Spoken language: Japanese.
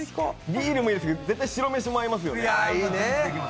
ビールもいいですけど、絶対白飯も合いますよね。